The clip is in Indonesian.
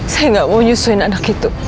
saya nggak mau nyusuin anak itu